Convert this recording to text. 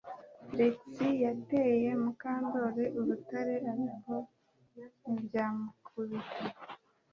Trix yateye Mukandoli urutare ariko ntibyamukubita